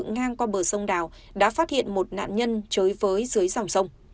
ngang qua bờ sông đảo đã phát hiện một nạn nhân chơi với dưới dòng sông